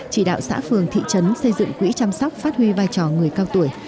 chỉ đạo xã phường thị trấn xây dựng quỹ chăm sóc phát huy vai trò người cao tuổi